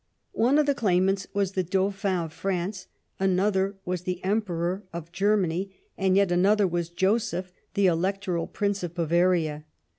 One of the claimants was the Dauphin of France, another was the Emperor of Germany, and yet another was Joseph, the Electoral Prince of Bavaria.